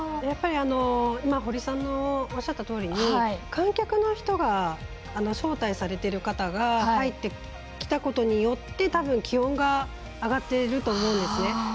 やっぱり、堀さんのおっしゃったとおりに観客の人が招待されている方が入ってきたことによってたぶん気温が上がってると思うんですね。